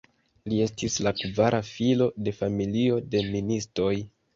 Li estis la kvara filo de familio de ministoj.